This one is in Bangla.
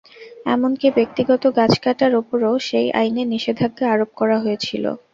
এমনকি, ব্যক্তিগত গাছ কাটার ওপরও সেই আইনে নিষেধাজ্ঞা আরোপ করা হয়েছিল।